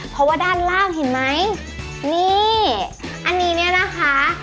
เพราะว่าด้านล่างเห็นไหมนี่อันนี้เนี่ยนะคะ